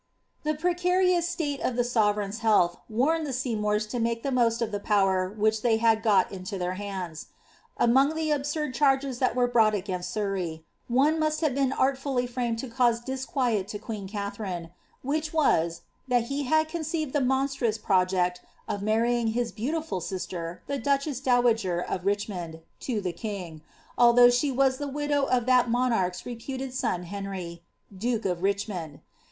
The precarioos state of tki soTereign^s health warned the Seymours lo make the most of the power which they had got into their hands. Among the absurd chaiges that were brought against Surrey, one must have been artfully framed to cause disquiet to queen Katharine, which was, that he had conceiTcd the monstrous project of marrying his beautiful sister, the duchest dowager of Richmond, to the king, although she was the widow of thai monarch's reputed son Henry, duke of Richmond.